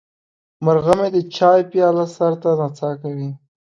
مرغه مې د چای پیاله سر ته نڅا کوي.